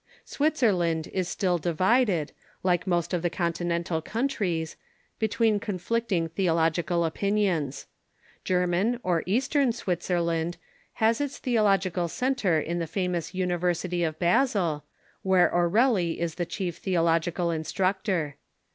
Switzerland is still divided, like most of the Continental countries, between conflicting theological opinions. German or eastern Switzerland has its theological centre in the famous University of Basel, where Orelli is the chief theological instructor.